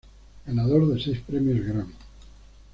Ganador de seis Premios Grammy.